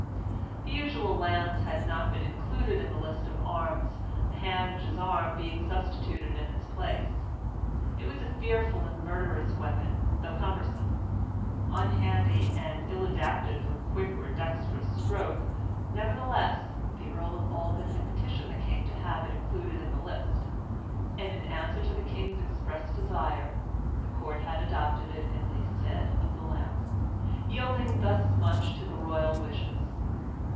The usual lance had not been included in the list of arms, the hand gisarm being substituted in its place. It was a fearful and murderous weapon, though cumbersome, Unhandy, and ill adapted for quick or dexterous stroke; nevertheless, the Earl of Alban had petitioned the King to have it included in the list, and in answer to the King's expressed desire the Court had adopted it in the stead of the lance, yielding thus much to the royal wishes.